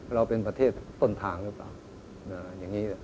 เราเป็นประเทศต้นทางหรือเปล่าอย่างนี้